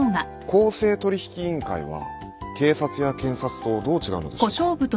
公正取引委員会は警察や検察とどう違うのでしょうか？